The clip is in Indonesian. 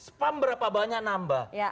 spam berapa banyak nambah